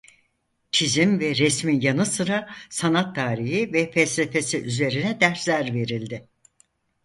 Çizim ve resmin yanı sıra sanat tarihi ve felsefesi üzerine dersler verildi.